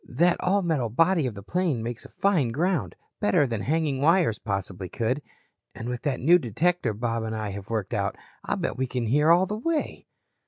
That all metal body of the plane makes a fine ground, better than hanging wires possibly could. And with that new detector Bob and I have worked out, I'll bet we can hear all the way."